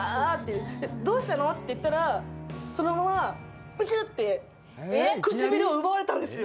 どうしたの？って言ったら、そのままブチュッて唇を奪われたんですよ。